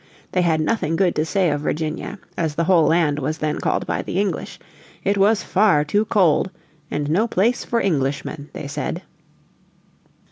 They had nothing good to say of Virginia, as the whole land was then called by the English. It was far too cold, and no place for Englishmen, they said.